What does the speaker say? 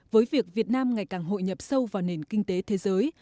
với việc việt nam ngày càng hội nhập sâu vào nền kinh tế thế giới